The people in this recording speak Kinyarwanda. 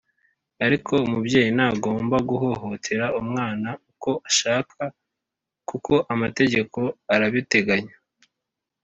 ariko umubyeyi ntagomba guhohotera umwana uko ashaka kuko amategeko arabiteganya.